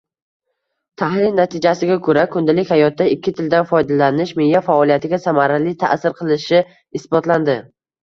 Tahlil natijasiga koʻra, kundalik hayotda ikki tildan foydalanish miya faoliyatiga samarali taʼsir qilishi isbotlandi.